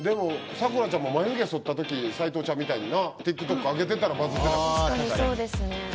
咲楽ちゃんも眉毛そったとき齊藤ちゃんみたいになＴｉｋＴｏｋにあげてたらバズってたかもしれへん。